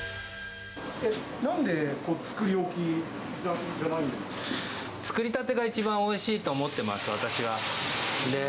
なんで作り置きじゃないんで作りたてが一番おいしいと思ってます、私は。